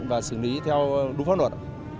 và xử lý theo đúng pháp luật